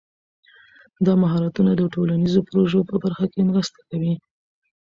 دا مهارتونه د ټولنیزو پروژو په برخه کې مرسته کوي.